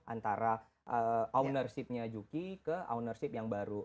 antara ownership nya juki ke ownership yang baru